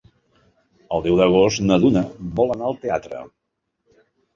El deu d'agost na Duna vol anar al teatre.